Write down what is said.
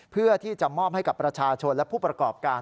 เพื่อที่จะมอบให้กับประชาชนและผู้ประกอบการ